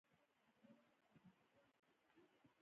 د جنوبي امریکا خلیجونه څه پوهیږئ؟